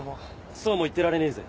そうも言ってられねえぜ。